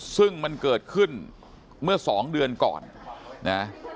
ซึ่งมันเกิดขึ้นเมื่อสองเดือนก่อนนะ